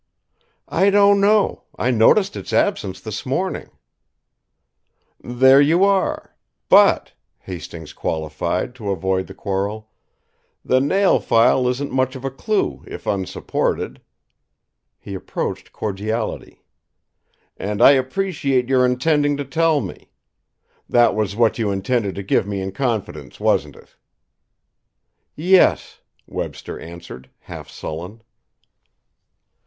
"I don't know! I noticed its absence this morning." "There you are! But," Hastings qualified, to avoid the quarrel, "the nail file isn't much of a clue if unsupported." He approached cordiality. "And I appreciate your intending to tell me. That was what you intended to give me in confidence, wasn't it?" "Yes," Webster answered, half sullen.